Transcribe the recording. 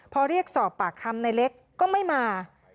พอเรียกสอบปากคำในเล็กก็ไม่มา